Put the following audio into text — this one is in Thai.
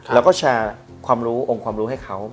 แล้วก็แชร์องค์ความรู้ให้เขา